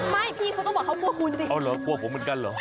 พี่เขาต้องบอกเขากลัวคุณสิอ๋อเหรอกลัวผมเหมือนกันเหรอ